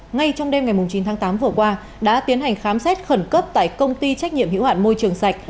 ngay trong đêm ngày chín tháng tám vừa qua đã tiến hành khám xét khẩn cấp tại công ty trách nhiệm hiệu hạn môi trường sạch